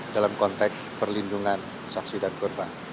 dalam konteks perlindungan saksi dan korban